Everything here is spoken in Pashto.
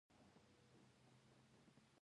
هغه ونشوله.